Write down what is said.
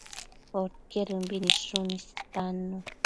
Podquedëmbi nidshun istannu